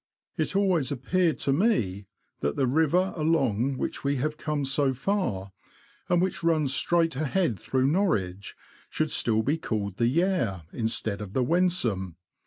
It always appeared to me, that the river along which we have come so far, and which runs straight ahead through Norwich, should be still called the Yare, instead of the Wensum.